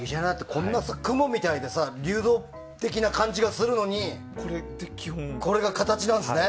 こんな雲見たいで流動的な感じがするのにこれが形なんですね。